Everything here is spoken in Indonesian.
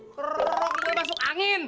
kerok terus masuk angin